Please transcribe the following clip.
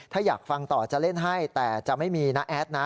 ถ้าอยากฟังต่อจะเล่นให้แต่จะไม่มีนะแอดนะ